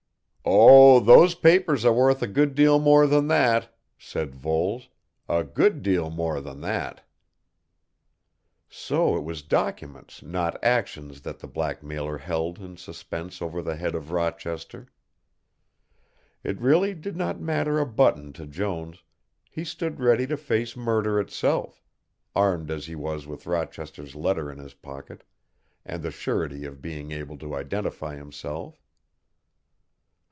"Oh, those papers are worth a good deal more than that," said Voles, "a good deal more than that." So it was documents not actions that the blackmailer held in suspense over the head of Rochester. It really did not matter a button to Jones, he stood ready to face murder itself, armed as he was with Rochester's letter in his pocket, and the surety of being able to identity himself.